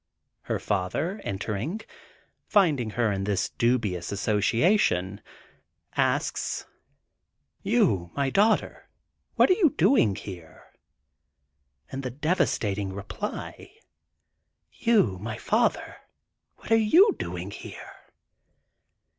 Her father, entering, finding her in this dubious association, asks: "You, my daughter, what are you doing here?" And the devastating reply: "You, my father, what are you doing here?"